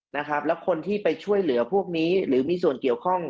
นะครับแล้วคนที่ไปช่วยเหลือพวกนี้หรือมีส่วนเกี่ยวข้อง